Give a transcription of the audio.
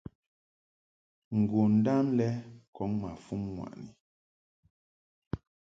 Ngondam lɛ kɔŋ ma fuŋ ŋwaʼni.